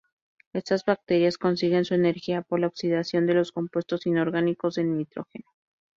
Estas bacterias consiguen su energía por la oxidación de los compuestos inorgánicos del nitrógeno.